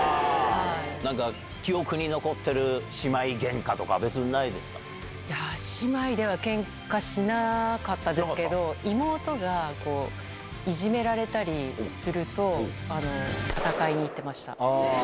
なんか記憶に残ってる姉妹げいやー、姉妹ではけんかしなかったですけど、妹がいじめられたりすると、戦いに行ってました。